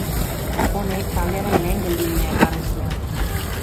Honek, taldearen lehen geldiunea ekarri zuen.